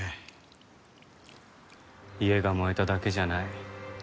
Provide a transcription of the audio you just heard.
家が燃えただけじゃない。